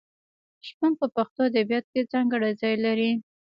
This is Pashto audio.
شپون په پښتو ادبیاتو کې ځانګړی ځای لري.